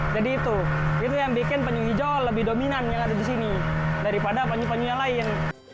jadi itu yang bikin penyuh hijau lebih dominan yang ada di sini daripada penyuh penyuh yang lain